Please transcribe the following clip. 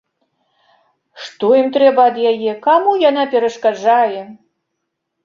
Што ім трэба ад яе, каму яна перашкаджае?